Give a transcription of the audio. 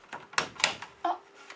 あっ！